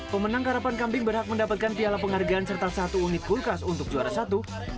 pemenang karapan kambing berhak mendapatkan piala penghargaan serta satu unit kulkas untuk juara satu